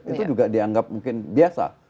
itu juga dianggap mungkin biasa